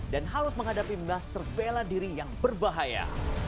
dan harus menghadapi master bela diri yang berbahaya